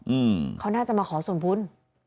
อืมเขาน่าจะมาขอส่วนบุญ